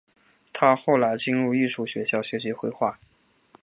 他后来进入艺术学校学习绘画。